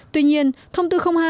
tuy nhiên thông tư hai